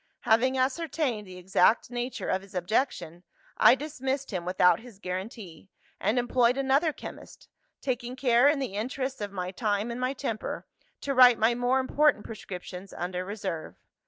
"Having ascertained the exact nature of his objection, I dismissed him without his guarantee, and employed another chemist; taking care (in the interests of my time and my temper) to write my more important prescriptions under reserve.